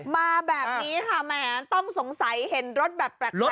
มาแบบนี้ค่ะแหมต้องสงสัยเห็นรถแบบแปลก